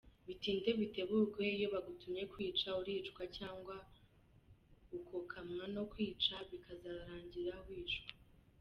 Bitinde bitebuke iyo bagutumye kwica, uricwa cyangwa ukokamwa no kwica bikazarangira wishwe!